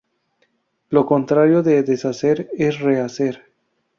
Lo contrario de deshacer es rehacer.